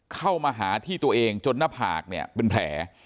เข้ามาหาที่ตัวเองจนหน้าผากเนี่ยเป็นแผล